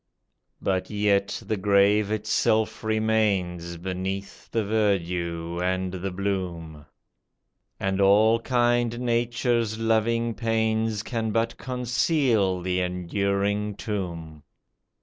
But yet the grave itself remains Beneath the verdure and the bloom ; And all kind Nature's loving pains Can but conceal the enduring tomb.